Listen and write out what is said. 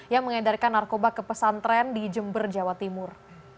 yang mengedarkan narkoba ke pesantren di jember jawa timur